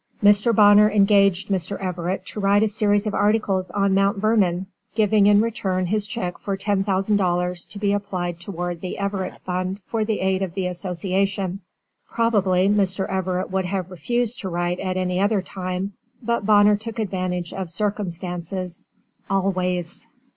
Mr. Bonner engaged Mr. Everett to write a series of articles on Mount Vernon, giving in return his check for $10,000 to be applied toward the Everett Fund for the aid of the Association. Probably Mr. Everett would have refused to write at any other time, but Bonner took advantage of circumstances ALWAYS.